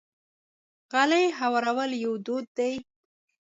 غالۍ هوارول یو دود دی.